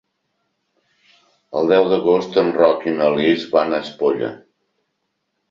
El deu d'agost en Roc i na Lis van a Espolla.